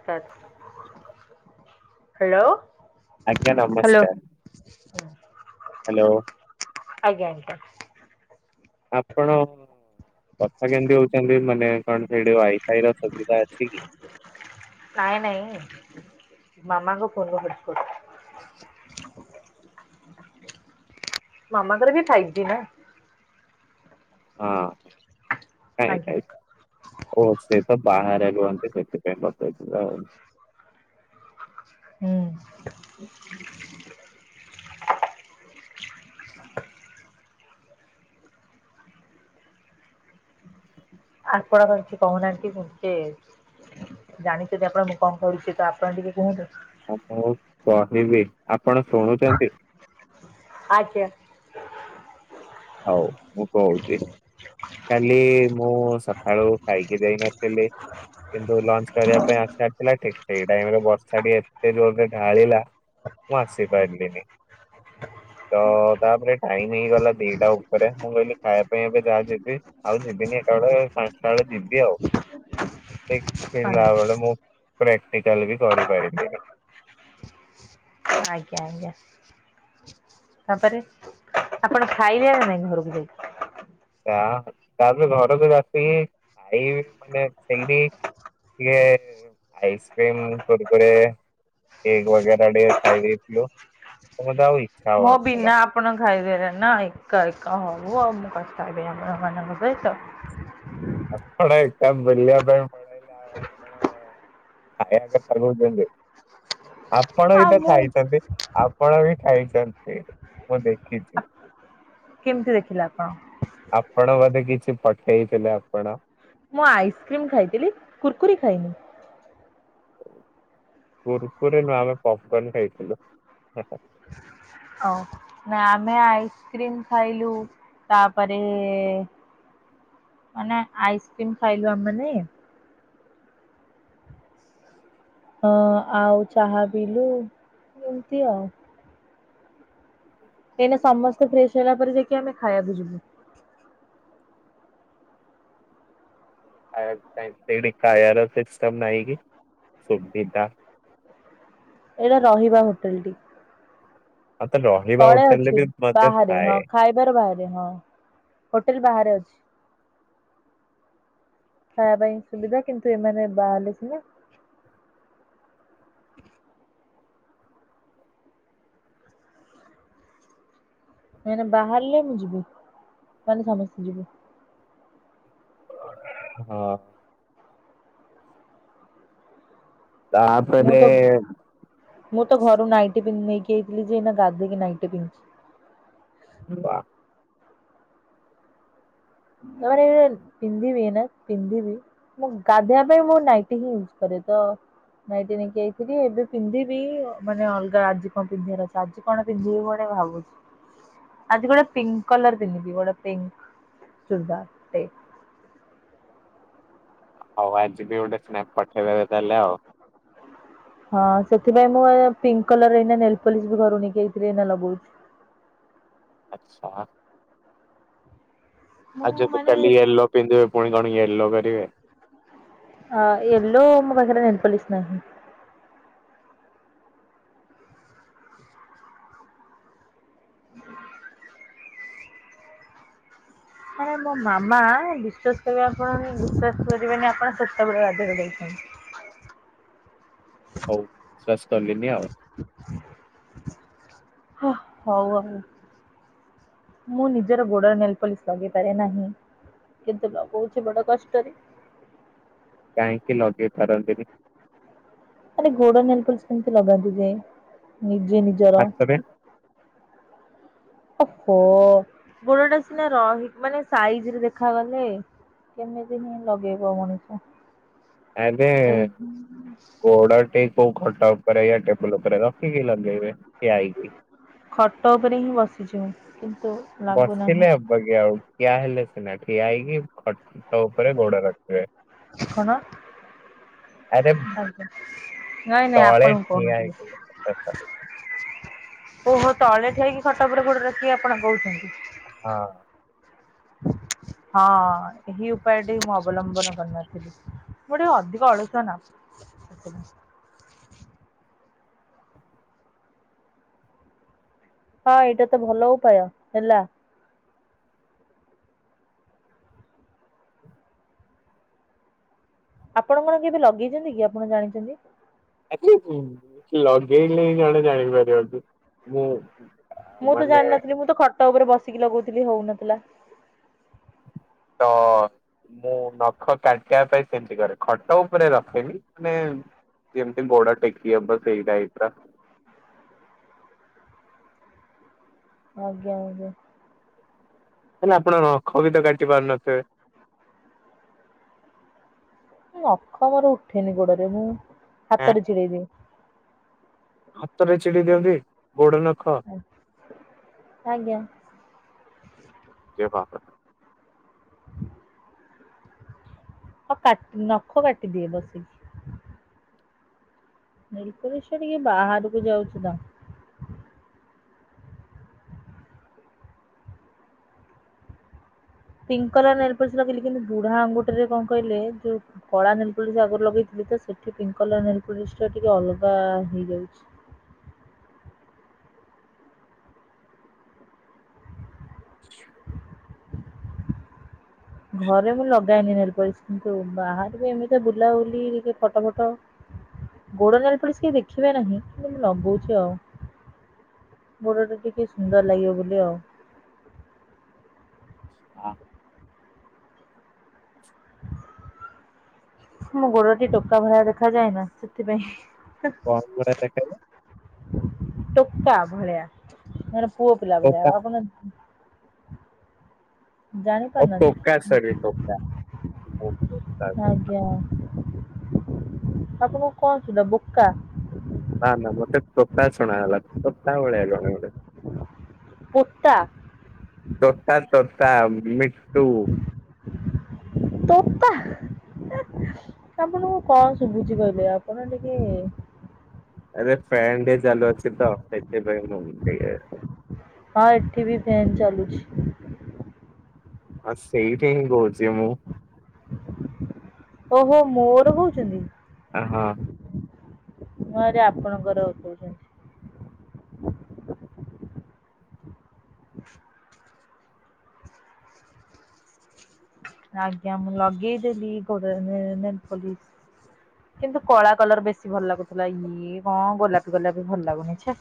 [unintelligible] Hello. ଆଜ୍ଞା ନମସ୍କାର hello. ଆଜ୍ଞା ଆଜ୍ଞା ଆପଣ କଥା କେମତି ହଉଚନ୍ତି ମାନେ କଣ ସେଇଠି ୱାଇ ଭାଇର ସୁବିଧା ଅଛି କି? ନାଇଁ ନାଇଁ ମାମାଙ୍କ ଫୋନରେ ବିଲକୁଲ। ମାମାଙ୍କର ବି ଫାଇଭ ଡି ନା। ହଁ କାଇଁ ଆଜ୍ଞା କାଇଁ ଓ ସେ ତ ବାହାରେ ରୁହନ୍ତି ସେଥିପାଇଁ ବତେଇଥିଲା ଆଉ। ହୁଁ। ଆତ ହ କିଛି କହୁନାହାତି କିି ଜାଣିଚନ୍ତି ଆପଣ ମୁଁ କଣ କରୁଛି ତ ଆପଣ ଟିକେ କୁହନ୍ତୁ। ଆଉ ମୁଁ କହିବି ଆପଣ ଶୁଣୁଚନ୍ତି ଆଜ୍ଞା। ହଉ ମୁ କହୁଚି। କାଲି ମୁଁ ସକାଳୁ ଖାଇକି ଯାଇନଥିଲି। କିନ୍ତୁ ଲଞ୍ଚ କରିବା ପାଇଁ ଆସିବାର ଥିଲା ଠିକ ସେଇ ଟାଇମରେ ବର୍ଷା ଟି ଏତେ ଜୋରରେ ଢାଳିଲା ମୁଁ ଆସିପାରିଲିନି ତ ତାପରେ ଟାଇମ ହେଇଗଲା। ଦିଟା ଉପରେ ମୁଁ କହିଲି ଖାଇବା ପାଇଁ ଏବେ ଯାହା ଯିବି। ଆଉ ଯିବିନି ଏକା ବେଳେ ପାଷ୍ଟା ବେଳେ ଯିବି ଆଉ ଏ। [unintelligible] ବେଳେ ମୁଁ ପ୍ରାକ୍ଟିକାଲ ବି କରିପାରିଲିନି। ଆଜ୍ଞା ଆଜ୍ଞା। ତାପରେ ଆପଣ ଖାଇଲେ ନା ନାଇଁ ଘରକୁ ଯାଇକି। ତା ତାପରେ ଘରକୁ ଆସିକି ଏଇ ମାନେ ସେଇଠି ଟିକେ ଆଇସ୍କ୍ରିମ୍ କୁର୍କୁରି ଏଇ ବଗେରା ଟିକେ ଖାଇଦେଇ ଥିଲୁ। ମୋର ତ ଆଉ ଇ ମୋ ବିନା ଆ ଆପଣ ଖାଇଦେଲେ ନା ଏକା ଏକା ହୋଉ ମୁଁ ଆଉ ମୁଁ କଥା ହେବିନି ଆପଣ ମାନଙ୍କ ସହିତ। ଆପଣ ଏକା ବୁଲିବା ପାଇଁ ମୋ ଯାଅ ଆପଣ। ଖାଇବା କଥା କୋଉଚନ୍ତି ଆପଣ ବି ଆଉ ତ ମୁଁ ଖାଇଚନ୍ତି। ଆପଣ ବି ଖାଇଚନ୍ତି ମୁଁ ଦେଖିଚି। କେମିତି ଦେଖିଲେ ଆପଣ? ଆପଣ ବୋଧେ କିଛି ପଠେଇଥିଲେ ଆପଣ। ମୁଁ ଆଇସ୍କ୍ରିମ୍ ଖାଇଥିଲି କୁର୍କୁରି ଖାଇନି। କୁର୍କୁରି ନା ଆମେ ପପ୍ କନ୍ ଖାଇଥିଲୁ। ହଉ ନା ଆମେ ଆଇସ୍କ୍ରିମ୍ ଖାଇଲୁ ତାପରେ ମାନେ ଆଇସ୍କ୍ରିମ୍ ଖାଇଲୁ ଆମେ ମାନେ। ହଁ ଆଉ ଚାହା ପିଇଲୁ ଏମତି ଆଉ। ଏଇନେ ସମସ୍ତେ ଫ୍ରେଶ ହେଲା ପରେ ଯାଇକି ଆମେ ଖାଇବାକୁ ଯିବୁ। ସେ ଟାୟର ସିଷ୍ଟଟମ ନାହିଁ କି ସୁବିଦା। ଏଇରା ରହିବା ହୋଟେଲ ଟି। [unintelligible] ରହି। ତଳେ ଅଛି ବାହାରେ ହଁ ଖାଇବାର ବାହାରେ ହଁ ହୋଟେଲ ବାହାରେ ଅଛି। ଖାଇବା ପାଇଁ ସୁବିଧା କିନ୍ତୁ ଏମାନେ ବାହାରିଲେ ସିନା। ସେମାନେ ବାହାରିଲେ ମୁଁ ଯିବି ମାନେ ସମସ୍ତେ ଯିବୁ। ହଁ। ମୁଁ ତାପରେ ତ ମୁଁ ତ ଘରୁ ନାଇଟି ପିନ୍ଧି ନେଇକି ଥିଲି ଯେ ଏନା ଗାଧେଇକି ନାଇଟି ପିନ୍ଧିଚି। [unintelligible] [unintelligible] ପିନ୍ତି ବିନା ପିନ୍ତି ବି। ମୁଁ ଗାଧୋଇବା ପାଇଁ ମୁଁ ନାଇଟି ହିଁ ୟୁଜ୍ କରେ ତ ନାଇଁଟି ନେଇକି ଯାଇଥିବି ଏବେ ପିନ୍ଧିବି ମାନେ ଅଲଗା ଆଜି କଣ ପିନ୍ଧିବାର ଅଛି ଆଜି କଣ ପିନ୍ଧିବି ମୁଁ ଏଟା ଭାବୁ ଆଜି ଗୋଟେ ପିଙ୍କ୍ କଲର ପିନ୍ଧିବି ଗୋଟେ ପିଙ୍କ୍ ସୁଲଧାର ଟ [unintelligible] ହଉ ଆଜି ବି ଗୋଟେ ସ୍ନାପ ପଠେଇ ଦେବେ ତାହେଲେ ଆଉ ହଁ ସେଥିପାଇଁ ମୁଁ ପିଙ୍କ୍ କଲର ଏଇନା ନେଲ୍ ପଲିସ ବି ଘରୁ ନେଇକି ଆଇଥିଲି ଏଇନେ ଲଗଉଚି। ଆଚ୍ଛା। ଆଜି ମୁଁ ଯଦି ମାନେ ଖାଲି ୟେଲୋ ପିନ୍ଧିବେ ପୁଣି କଣ ୟେଲୋ କରିବେ। ଅ ୟଲୋ ମୋ ପାଖରେ ନେଲପଲିସ ନାହିଁ। ହଁ [unintelligible] ଆ ମୋ ମାମା ବିଶ୍ଵାସ କରିବେ ଆପଣ ବିଶ୍ଵାସ କରିବେନି ଆପଣ ସେତେବେଳେ ଗାଧେଇ ଯାଇଛନ୍ତି। ବିଶ୍ଵାସ କଲିନି ଆଉ। ହ ହଉ ହଉ। ମୁଁ ନିଜର ଗୋଡରେ ନେଲପଲିସ ଲଗେଇପାରେ ନାହିଁ। କିନ୍ତୁ ଲଗଉଚି ବଡ କଷ୍ଟରେ। କାହିଁକି ଲଗେଇ ପାରନ୍ତିନି? ଖାଲି ଗୋଡ ନେଲପଲିସ କେମିତି ଲଗାନ୍ତି ଯେ ନିଜେ ନିଜେ। ହାତରେ। ଓହୋ ଗୋଡଟା ସିନା ରହି ମାନେ ସାଇଜ଼ ରେ ଦେଖାଗଲେ। କେମିତିିନି ଲଗେଇବ ମଣିଷ। ଆମେ ଗୋଡ ଟି କୋଉ ଖଟ ଉପରେ ୟେ ଟେବଲ ଉପରେ ର କି କି ଲଗେଇ ବେ ଠିଆ ହେଇକି। ଖଟ ଉପରେ ହିଁ ବସିଛୁ କିନ୍ତୁ ଲାଗୁନାହିଁ। ବସିଲେ ହବ ଅବାଗି ଆଉ ଠିଆ ହେଲେ ସିନା ଠିଆ ହେଇକି ଖଟ ଉପରେ ଗୋଡ ରଖିବେ। କଣ? ଆରେ ଆଜ୍ଞା ନାଇଁ ନାଇଁ ତଳେ ଆପଣଙ୍କୁ କହୁ ନ ଠିଆ ହେଇକି ଥିଲି। ଓହୋ ତଳେ ଠିଆହେଇକି ଖଟ ଉପରେ ଗୋଡ ରଖିକି ଆପଣ କହୁଛନ୍ତି। ହଁ। ହଁ ଏହି ଉପାୟଟି ମୁଁ ଅବଲମ୍ବନ କରିନଥିଲି। ମୁଁ ଟିକେ ଅଧିକ ଅଳସୁଆନା ସେଥିପାଇଁ। ହଁ ଏଇଟା ତ ଭଲ ଉପାୟ ହେଲା। ଆପଣ କଣ କେବେ ଲଗେଇଛନ୍ତି କି ଆପଣ ଜାଣିଛନ୍ତି? [unintelligible] ଲଗେଇଲେ ହିଁ ଜଣେ ଜାଣି ପାରିବ କି ମୁଁ ମୁଁ ତ ମାନେ ଜାଣିନଥିଲି ମୁଁ ତ ଖଟ ଉପରେ ବସିକି ଲଗଉଥିଲି ହଉନଥିଲା। ତ ମୁଁ ନଖ କାଟିବା ପାଇଁ ସେମିତି କରେ। ଖଟ ଉପରେ ରଖେନି ମାନେ ଯେମିତି ଗୋଡ ଟେକି ହବ ସେଇ ଟାଇପ ର। ଆଜ୍ଞା ଆଜ୍ଞା। ହେଲେ ଆପଣ ନଖବି ତ କାଟି ପାରୁନଥିବେ? ନଖ ମୋର ଉଠେନି ଗୋଡରେ ମୁଁ ଆଁ ହାତରେ ଛିଡେଇ ଦିଏ। ହାତରେ ଚଛିଡେଇ ଦିଅନ୍ତି ଗୋଡ ନଖ। ଆ ଆଜ୍ଞା। [unintelligible] ହଁ କାଟ ନଖ କାଟିଦିଏ ବସିକି। ନୀଲକଶ ଟିକେ ବାହାରକୁ ଯାଉଛି ତ। ପିଙ୍କ୍ କଲର ନେଲପଲିସ ଲଗେଇଲି କିନ୍ତୁ ବୁଢା ଆଙ୍ଗୁଠିରେ କଣ କହିଲେ ଯୋଉ କଳା ନେଲପଲିସ ଆଗରୁ ଲଗେଇଥିଲି ତ ସେଠି ପିଙ୍କ କଲର ନେଲପଲିସ ଟା ଟିକେ ଅଲଗା ହେଇଯାଉଛି। [inaudible] ଘରେ ମୁଁ ଲ ଲଗାଏନି ନେଲପଲିସ କିନ୍ତୁ ବାହାରକୁ ଏମିତି ବୁଲାବୁଲି ଟିକେ ଫଟ ଫଟ ଗୋଡ ନେଲପଲିସ କେହି ଦେଖିବେ ନାହିଁ କିନ୍ତୁ ମୁଁ ଲଗଉଛି ଆଉ। ଗୋଡ଼ଟା ଟିକେ ସୁନ୍ଦର ଲାଗିବ ବୋଲି ଆଉ। ହଁ। ମୋ ଗୋଡଟା ଟିକେ ଟୋକା ଭଳିଆ ଦେଖାଯାଏ ନା ସେଥିପାଇଁ। କଣ ଗୁରା ଦେଖାଇଲେ ଟୋକା ଭଳିଆ ମାନେ ପୁଅ ପିଲା ଭଳିଆ ଆଉ ଆପଣ ଜାଣି ଓ ପାରୁନାହାନ୍ତି କି? ଟୋକା ସରି ଟୋକା ବୋ ଆଜ୍ଞା ଆପଣଙ୍କୁ କଣ ସୁଲା ବୋକା? ନା ନା ମତେ ତୋଟା ଶୁଣାହେଲା ସୋତା ଭଳିଆ [unintelligible] କୁତ୍ତା। ତୋଟା ତୋଟା ମିଟୁ। ତୋତା ଆପଣଙ୍କୁ କଣ ଶୁଭୁଛି କହିଲେ ଆପଣ ଟିକେ ଆରେ ଫ୍ରେଣ୍ଡଏ ଚାଲୁ ଅଛି ତ ସେଥିପାଇଁ ମୁଁ ଟିକେ ହଁ ଏଠି ବି ଫ୍ୟାନ୍ ଚାଲୁଛି। ହଁ ସେଇଟା ହିଁ କହୁଛି ମୁଁ। ଓହୋ ମୋର ହୋଉଛନ୍ତି। ହଁ। [unintelligible] ଆପଣଙ୍କର କହୁଛନ୍ତି। [inaudible] ଆଜ୍ଞା। ମୁଁ ଲଗେଇଦେଲି ଗୋଡ଼ରେ ନେଲପଲିଶ। କିନ୍ତୁ କଳା କଲର ବେଶୀ ଭଲ ଲାଗୁଥିଲା। ଇଏ କଣ ଗୋଲାପୀ ଗୋଲାପି ଭଲ ଲାଗୁନି ଛେ।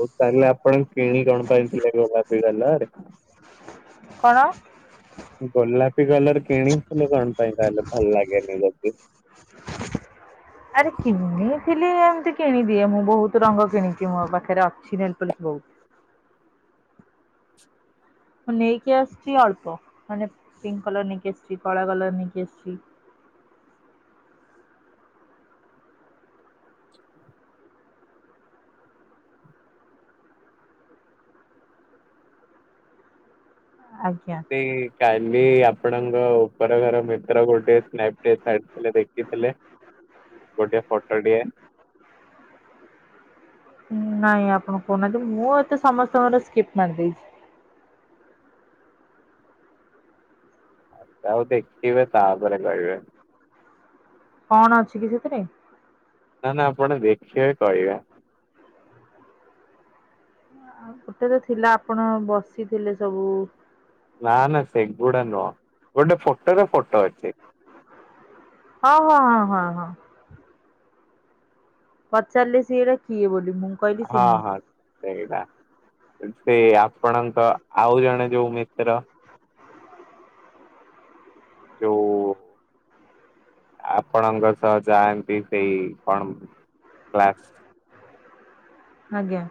ହଉ ତାହେଲେ ଆପଣ କିଣି କଣ ପାଇଁଥିଲେ ଗୋଲାପି କଲର? କଣ? ଗୋଲାପୀ କଲର କିଣିିଥିଲେ କଣ ପାଇଁ ତାହଲେ ଭଲ ଲାଗେନି ଯଦି? [inaudible] ଆରେ କିଣିଥିଲି ଏମିତି କିଣିଦିଏ ମୁଁ। ବହୁତ ରଙ୍ଗ କିଣିଚି ମୋ ପାଖରେ ଅଛି ନେଲପାଲିଶ ବହୁତ। ହଁ ନେଇକି ଆସିଛି ଅଳ୍ପ। ମାନେ ପିଙ୍କ କଲର ନେଇକି ଆସିଛି। କଳା କଲର ନେଇକି ଆସିଛି। ଆଜ୍ଞା। ହେ କାଲି ଆପଣଙ୍କ ଉପର ଘର ମେ ର ଗୋଟେ ସ୍ନେକଟେ [unintelligible] ଦେଖିଥିଲେ ଗୋଟେ ଫଟୋଟିଏ [inaudible] ନାଇଁ ଆପଣ କହୁନାହାନ୍ତି? ମୁଁ ଏତେ ସମସ୍ତଙ୍କର ସ୍କିପ୍ ମାରିଦେଇଛି। ତାକୁ ଦେଖିବେ ତାପରେ କହିବେ। କଣ ଅଛି କି ସେଥିରେ? ନା ନା ଆପଣ ଦେଖିବେ କହିବେ। ଆଉ ଗୋଟେ ତ ଥିଲା ଆପଣ ବସିଥିଲେ ସବୁ। ନା ନା ସେଗୁଡା ନୁହଁ। ଗୋଟେ ଫୋଟୋରେ ଫୋଟୋ ଅଛି। ହଁ ହଁ ହଁ ହଁ ହଁ। ପଚାରିଲେ ସିଏ ଏରା କିଏ ବୋଲି ମୁଁ? କହିଲି ହଁ ସିନୁ ହଁ। ସେଇରା। ସେ ଆପଣଙ୍କ ଆଉ ଜଣେ ଯୋଉ ମିତ୍ର ଯୋଉ ଆପଣଙ୍କ ସହ ଯାଆନ୍ତି ସେଇ କଣ କ୍ଲାସ। ଆଜ୍ଞା।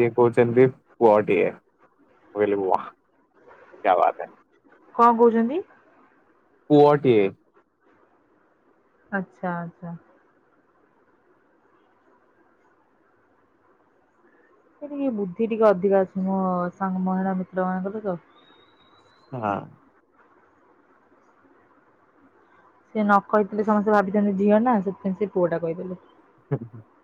ସିଏ କହୁଛନ୍ତି ପୁଅଟିଏ। ମୁଁ କହିଲି ୱା କ୍ୟା ବାାତ ହେ। କଣ କହୁଛନ୍ତି? ପୁଅଟିଏ। ଆଚ୍ଛା ଆଚ୍ଛା। ସେ ଟିକେ ବୁଦ୍ଧି ଟିକେ ଅଧିକା ଅଛି ମୋ ସାଙ୍ଗ ମହିଳା ମିତ୍ର ମାନଙ୍କର ତ। ହଁ। ସେ ନ କହିଥିଲେ ସମସ୍ତେ ଭାବିଥାନ୍ତେ ଝିଅ ନା। ସେଥିପାଇଁ ସେ ପୁଅଟା କହିଦେଲେ। [inaudible]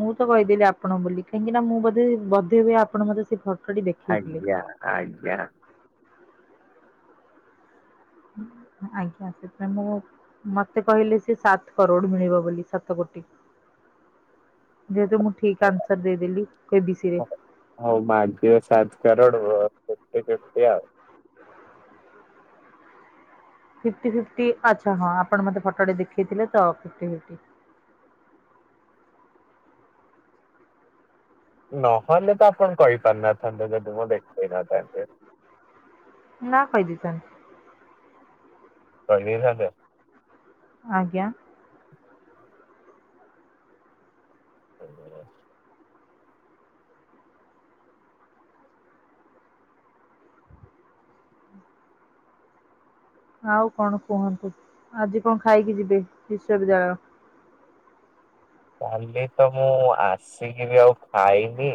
ମୁଁ ତ କହିଦେଲି ଆପଣ ବୋଲି। କାହିଁକି ନା ମୁଁ ବୋଧେ ବୋଧେ ହୁଏ ଆପଣ ମତେ ସେ ଫଟୋଟି ଦେଖ ଆଜ୍ଞା, ଆଜ୍ଞା। ଆଜ୍ଞା ସେଥିପାଇଁ ମୋ ମତେ କହିଲେ ସେ ସାତ କରୋଡ ମିଳିବ ବୋଲି ସାତ କୋଟି। ଯେହେତୁ ମୁଁ ଠିକ ଆନ୍ସର ଦେଇ ଦେଲି କେବିସିରେ। ହଉ ମାଗିବ ସାତ କରୋଡ଼ ଓ ଫିଫଟି- ଫିଫଟି ଆଉ। ଫିଫଟି- ଫିଫଟି ଆଚ୍ଛା ହଁ, ଆପଣ ମୋତେ ଫଟୋଟା ଦେଖେଇଥିଲେ ତ ଫିଫଟି- ଫିଫଟି। ନହେଲେ ତ ଆପଣ କହି ପାରିନଥାନ୍ତେ ଯଦି ମୁଁ ଦେଖେଇ ନଥାନ୍ତି। ନା କହିଦେଇ ଥାନ୍ତି। [unintelligible] ଆଜ୍ଞା। [inaudible] ଆଉ କଣ କୁହନ୍ତୁ ଆଜି କଣ ଖାଇକି ଯିବେ ବିଶ୍ଵ ବିଦ୍ୟାଳୟ। କାଲି ତ ମୁଁ ଆସିକିିରି ଆଉ ଖାଇନି।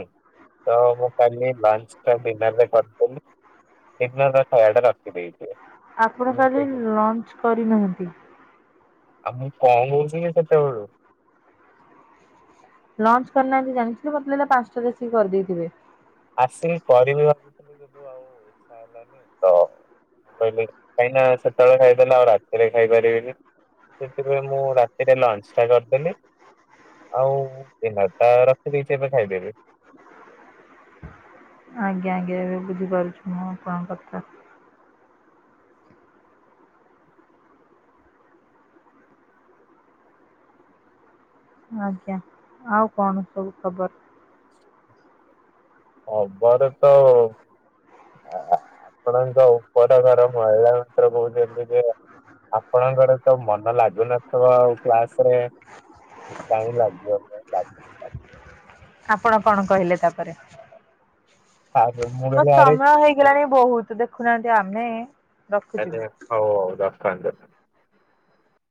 ତ ମୁଁ କରିଲି ଲଞ୍ଚ ଟା ଡିନରରେ କରିଦେଲି। ଡିନର ଟା ଯାଉ ଏଇଟା ରଖିଦେଇଥିବେ। ଆପଣ କାଲି ଲଞ୍ଚ କରିନାହାନ୍ତି। ଆଉ ମୁଁ କଁ କହୁଛି କି ସେତେବେଳୁ। ଲଞ୍ଚ କରିନାହାନ୍ତି ଜଣିଥିଲି ମତେ ଲାଗିଲା ପାଞ୍ଚଟାରେ ଆସିକି କରି ଦେଇଥିବେ। ଆସିବି କରିବି ଭାବୁଥିଲି କିନ୍ତୁ ଆଉ ଇଛା ହେଲାନି ତ। ବୋଇଲେ କାହିଁକିନା ସତବେଳେ ଖାଇଦେଲେ ଆଉ ରାତିରେ ଖାଇପାରିବିନି। ସେଥିପାଇଁ ମୁଁ ରାତିରେ ଲଞ୍ଚ ଟା କରିଦେଲି। ଆଉ ଡିନର ଟା ରଖି ଦେଇଛି ଏବେ ଖାଇଦେବି। ଆଜ୍ଞା ଆଜ୍ଞା ଏବେ ବୁଝିପାରୁଛୁ ମୁଁ ଆପଣଙ୍କ କଥା। ଆଜ୍ଞା ଆଉ କଣ ସବୁ ଖବର। ଖବର ତ। ଆପଣଙ୍କ ଉପର ଘର ମହିଳା ମିତ୍ର କହୁଛନ୍ତି ଯେ। ଆପଣଙ୍କର ତ ମନ ଲାଗୁନଥିବ ଆଉ କ୍ଲାସ ରେ। ଟାଇମ ଲାଗିବ ଟାଇମ୍ ଲାଗୁ। ଆପଣ କଣ କହିଲେ ତାପରେ। ତା ପରେ ମୁଁ। ତ କହିଲି ଆରେ ସମୟ କିଛି ହେଇଗଲାଣି ବହୁତ ଦେଖୁନାହାନ୍ତି ଆମେ। ଆରେ ରଖୁଛୁ। ହଉ ହଉ [unintelligible]